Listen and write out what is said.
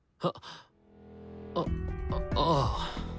あっあああ。